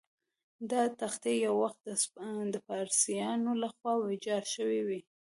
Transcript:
دا تختې یو وخت د پارسیانو له خوا ویجاړ شوې وې.